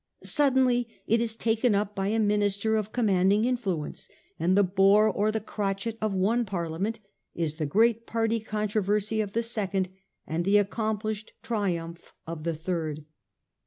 Suddenly it is taken up by a minister of commanding influence, and the bore or the crotchet of one Parliament is the great party controversy of a second, and the accomplished triumph of a third.